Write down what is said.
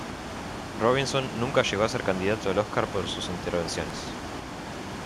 Robinson nunca llegó a ser candidato al Oscar por sus intervenciones.